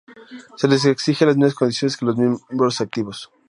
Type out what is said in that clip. Se les exigen las mismas condiciones que a los miembros activos.